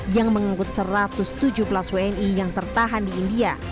yang mengangkut satu ratus tujuh belas wni yang tertahan di india